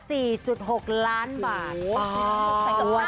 โหใส่เกือบ๕ล้านแม่โทษ